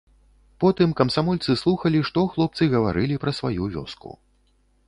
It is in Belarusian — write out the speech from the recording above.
Потым камсамольцы слухалі, што хлопцы гаварылі пра сваю вёску.